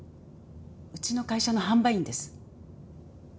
うちの会社の販売員です。